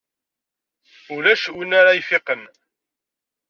Ulac win ara ifiqen.